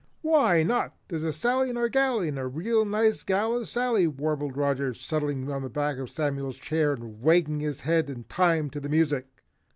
"Why not? There's a Sally in our galley and a real nice gal is Sally," warbled Roger, settling on the back of Samuel's chair and wagging his head in time to the music.